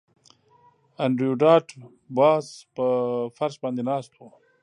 انډریو ډاټ باس په فرش باندې ناست و